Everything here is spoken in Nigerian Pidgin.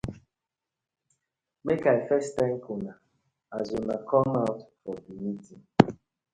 Mak I first thank una as una come out for di meeting.